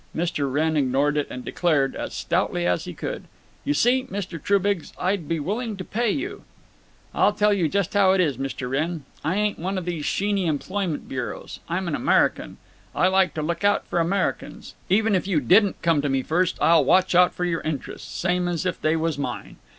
Mr. Wrenn ignored it and declared, as stoutly as he could: "You see, Mr. Trubiggs, I'd be willing to pay you—" "I'll tell you just how it is, Mr. Wrenn. I ain't one of these Sheeny employment bureaus; I'm an American; I like to look out for Americans. Even if you didn't come to me first I'll watch out for your interests, same's if they was mine.